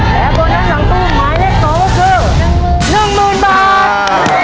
และโบนัสหลังตู้หมายเลขสองก็คือหนึ่งหมื่นบาท